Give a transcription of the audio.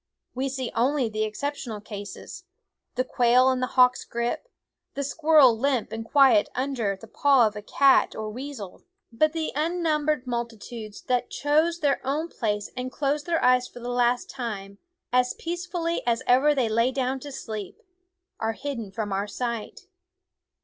We see only the exceptional cases, the quail in the hawk's grip, the squirrel limp and quiet under the paw of cat or weasel; but the unnum bered multitudes that choose their own place and close their eyes for the last time, as peace fully as ever they lay down to sleep, are hidden from our sight.